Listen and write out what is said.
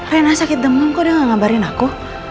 rena sakit demung kok udah gak ngabarin aku